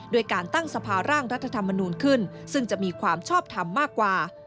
ด้วยการตั้งสภาร่างรัฐธรรมนูลขึ้นซึ่งจะมีความชอบทำมากกว่า